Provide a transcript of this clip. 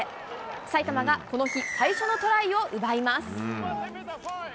埼玉がこの日最初のトライを奪います。